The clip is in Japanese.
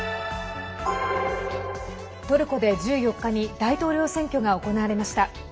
トルコで１４日に大統領選挙が行われました。